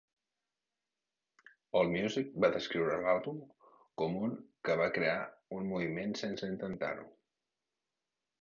Allmusic va descriure l'àlbum com un que va crear un moviment sense intentar-ho.